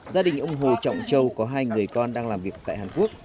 gia đình ông hồ trọng châu có hai người con đang làm việc tại hàn quốc